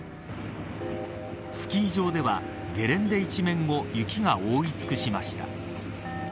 スキー場ではゲレンデ一面を雪が覆い尽くしました。